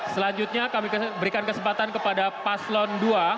selanjutnya kami berikan kesempatan kepada paslon dua